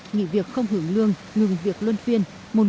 nghị việc không hưởng lương ngừng việc luân phiên